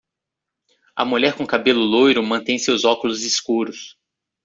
A mulher com cabelo loiro mantém seus óculos escuros.